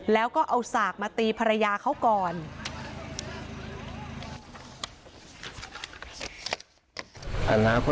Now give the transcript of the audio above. แล้วก็เอาสากมาตีภรรยาเขาก่อน